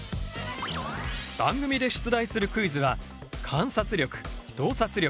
番組で出題するクイズは観察力洞察力